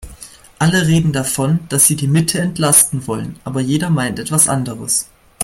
Alle reden davon, dass sie die Mitte entlasten wollen, aber jeder meint etwas anderes.